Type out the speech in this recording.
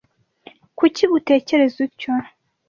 Kuki utekereza utyo?